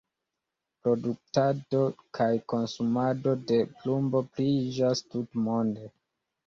Produktado kaj konsumado de plumbo pliiĝas tutmonde.